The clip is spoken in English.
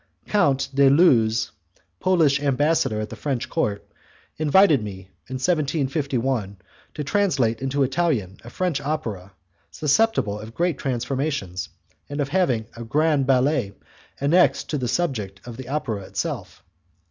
Count de Looz, Polish ambassador at the French court, invited me in 1751 to translate into Italian a French opera susceptible of great transformations, and of having a grand ballet annexed to the subject of the opera itself.